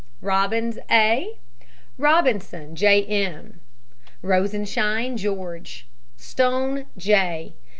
ROBINS, A. ROBINSON, J. M. ROSENSHINE, GEORGE. STONE, J.